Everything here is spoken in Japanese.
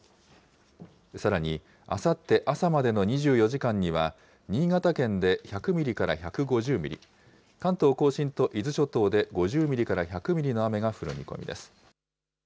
さらに、あさって朝までの２４時間には、新潟県で１００ミリから１５０ミリ、関東甲信と伊豆諸島で５０ミリから１００ミリの雨が降る見込みです。